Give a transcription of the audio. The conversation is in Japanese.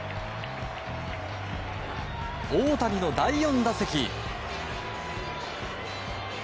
大谷の第４打席。